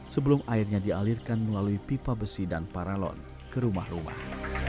sebelum airnya dialirkan melalui pipa besi dan paralon ke rumah rumah